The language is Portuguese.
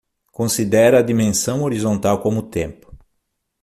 Considera a dimensão horizontal como tempo.